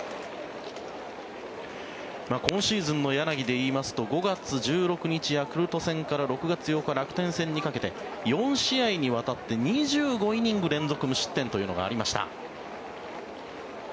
今シーズンの柳で言いますと５月１６日、ヤクルト戦から６月８日、楽天戦にかけて４試合にわたって２５イニング連続無失点というのがありました。